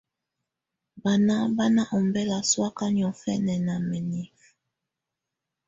Bana bà nɔ̀ ɔmbela sɔ̀́áka niɔ̀fɛna nà mǝnifǝ.